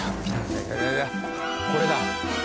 これだ。